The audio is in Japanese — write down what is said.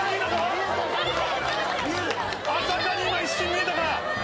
安積に今一瞬見えたか？